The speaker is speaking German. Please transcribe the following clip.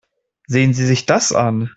Sehen Sie sich das an.